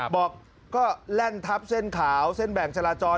บอกก็แล่นทับเส้นขาวเส้นแบ่งจราจร